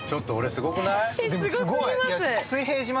すごすぎます。